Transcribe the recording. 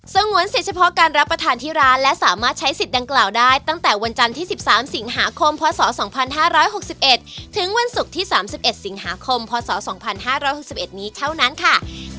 งวนสิทธิ์เฉพาะการรับประทานที่ร้านและสามารถใช้สิทธิ์ดังกล่าวได้ตั้งแต่วันจันทร์ที่๑๓สิงหาคมพศ๒๕๖๑ถึงวันศุกร์ที่๓๑สิงหาคมพศ๒๕๖๑นี้เท่านั้นค่ะ